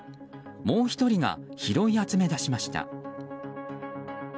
もう１人が拾い集めだしました。